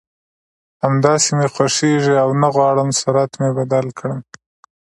همداسې مې خوښېږي او نه غواړم صورت مې بدل کړم